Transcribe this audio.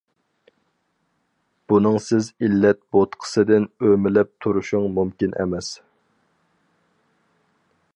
بۇنىڭسىز ئىللەت بوتقىسىدىن ئۆمىلەپ تۇرۇشۇڭ مۇمكىن ئەمەس!